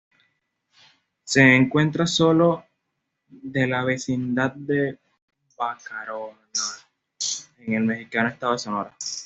Se encuentra sólo de la vecindad de Bacanora, en el mexicano estado de Sonora.